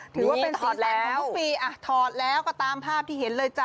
ถือว่าเป็นสีสันของทุกปีอ่ะถอดแล้วก็ตามภาพที่เห็นเลยจ้ะ